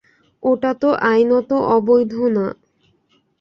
ওটা তো আইনত অবৈধ না।